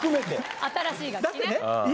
新しい楽器ね。